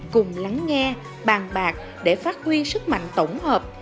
cùng lắng nghe bàn bạc để phát huy sức mạnh tổng hợp